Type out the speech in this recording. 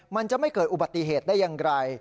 มันจะไม่เกิดอุบัติเหตุได้อย่างไร